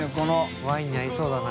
ワインに合いそうだな。